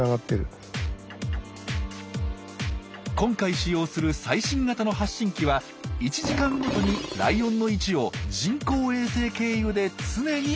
今回使用する最新型の発信機は１時間ごとにライオンの位置を人工衛星経由で常に教えてくれるんです。